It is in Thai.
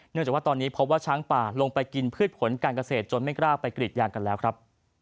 จากว่าตอนนี้พบว่าช้างป่าลงไปกินพืชผลการเกษตรจนไม่กล้าไปกรีดยางกันแล้วครับ